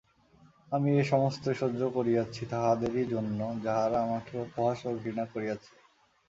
আমি এ সমস্তই সহ্য করিয়াছি তাহাদেরই জন্য, যাহারা আমাকে উপহাস ও ঘৃণা করিয়াছে।